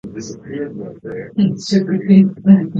メクレンブルク＝フォアポンメルン州の州都はシュヴェリーンである